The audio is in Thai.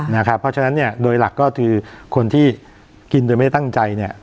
เพราะฉะนั้นโดยหลักก็คือคนที่กินโดยไม่ได้ตั้งใจ